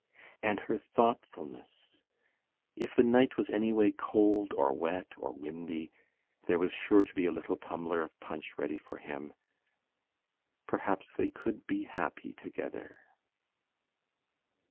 And her thoughtfulness! If the night was anyway cold or wet or windy there was sure to be a little tumbler of punch ready for him. Perhaps they could be happy together....